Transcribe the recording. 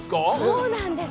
そうなんです！